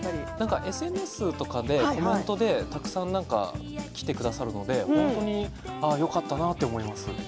ＳＮＳとかではコメントでたくさんきてくださるので本当によかったなと思います。